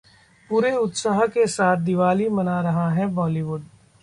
पूरे उत्साह के साथ दिवाली मना रहा है बॉलीवुड